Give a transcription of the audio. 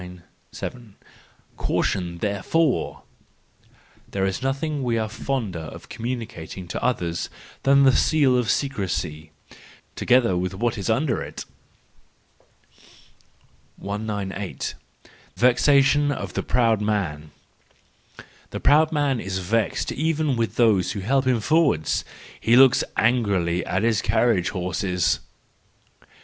Caution therefore I —There is nothing we are fonder of communicating to others than the seal of secrecy—together with what is under it. 198. Vexation of the Proud Man, —The proud man is vexed even with those who help him forward: he looks angrily at his carriage horses!